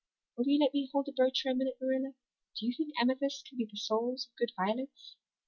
Will you let me hold the brooch for one minute, Marilla? Do you think amethysts can be the souls of good violets?"